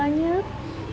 udah selesai sekolah ya